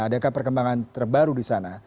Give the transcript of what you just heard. adakah perkembangan terbaru di sana